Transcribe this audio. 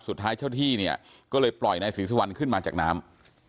สุดท้ายเจ้าที่เนี่ยก็เลยปล่อยนายศิษย์สวรรค์ขึ้นมาจากน้ำ